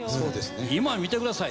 今見てください。